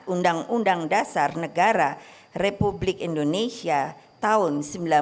undang undang dasar negara republik indonesia tahun seribu sembilan ratus empat puluh lima